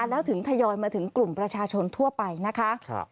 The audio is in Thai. แล้วถึงทยอยมาถึงกลุ่มประชาชนทั่วไปนะคะ